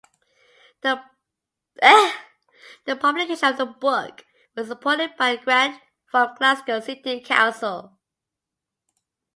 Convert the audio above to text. The publication of the book was supported by a grant from Glasgow City Council.